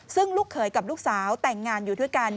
ซึ่งลูกเขยกับลูกสาวแต่งงานอยู่ด้วยกัน